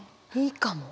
いいかも。